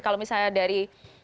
kalau misalnya dari